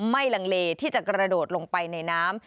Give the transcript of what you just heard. ลังเลที่จะกระโดดลงไปในน้ำ